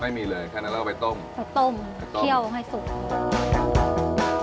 ไม่มีเลยแค่นั้นเราก็ไปต้มเขาต้มเคี่ยวให้สุก